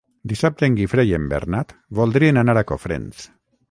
Dissabte en Guifré i en Bernat voldrien anar a Cofrents.